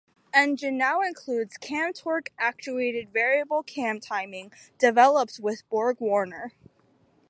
Engine now includes Cam Torque Actuated Variable Cam Timing developed with Borg-Warner.